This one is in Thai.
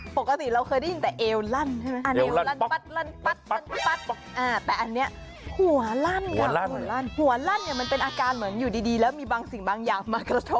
ปกติเราเคยได้ยินแต่เอวลั่นใช่ไหม